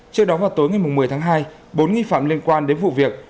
trước đó vào tối ngày một mươi tháng hai bốn nghi phạm liên quan đến vụ việc